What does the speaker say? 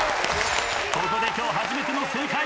ここで今日初めての正解。